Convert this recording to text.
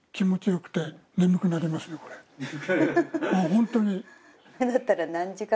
本当に。